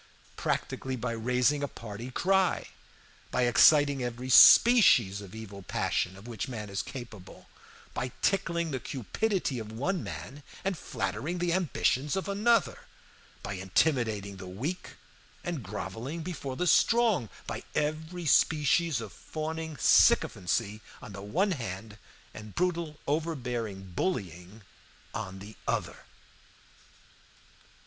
Practically, by raising a party cry; by exciting every species of evil passion of which man is capable; by tickling the cupidity of one man and flattering the ambitions of another; by intimidating the weak, and groveling before the strong; by every species of fawning sycophancy on the one hand, and brutal overbearing bullying on the other.